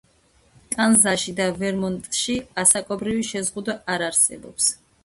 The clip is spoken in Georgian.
კანზასში და ვერმონტში ასაკობრივი შეზღუდვა არ არსებობს.